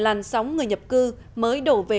làn sóng người nhập cư mới đổ về